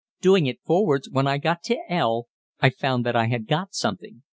Doing it forwards, when I got to 'l' I found I had got something.